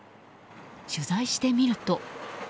取材してみると。